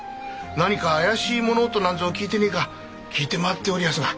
何か怪しい物音なんぞ聞いてねえか聞いて回っておりやすが。